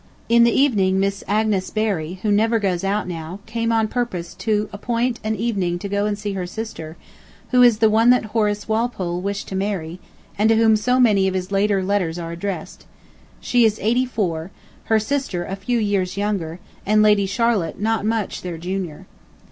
In the evening Miss Agnes Berry, who never goes out now, came on purpose to appoint an evening to go and see her sister, who is the one that Horace Walpole wished to marry, and to whom so many of his later letters are addressed. She is eighty four, her sister a few years younger, and Lady Charlotte not much their junior.